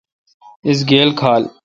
اس گیل کھال۔